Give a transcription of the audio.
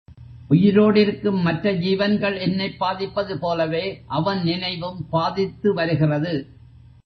உயிரோடிருக்கும் மற்ற ஜீவன்கள் என்னைப் பாதிப்பது போலவே, அவன் நினைவும் பாதித்து வருகிறது.